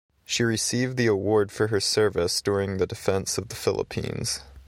She received the award for her service during the defense of the Philippines.